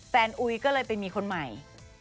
แฟนอุ๊ยก็เลยเป็นมีคนใหม่